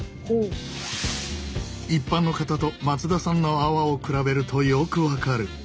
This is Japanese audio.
一般の方と松田さんの泡を比べるとよく分かる。